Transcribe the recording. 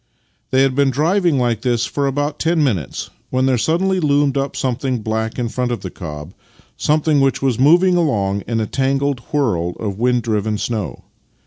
They had been driving like this for about ten minutes when there suddenly loomed up something black in front of the cob — something which was moving along in a tangled whirl of wind driven snow.